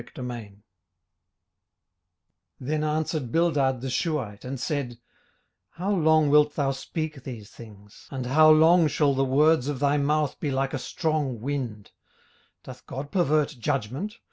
18:008:001 Then answered Bildad the Shuhite, and said, 18:008:002 How long wilt thou speak these things? and how long shall the words of thy mouth be like a strong wind? 18:008:003 Doth God pervert judgment?